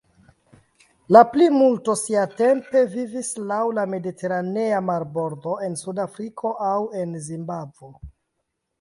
La plimulto siatempe vivis laŭ la mediteranea marbordo, en Sudafriko, aŭ en Zimbabvo.